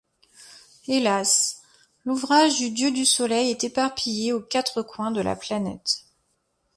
Hélas, l'ouvrage du dieu du soleil est éparpillé aux quatre coins de la planète.